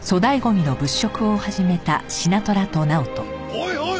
おいおい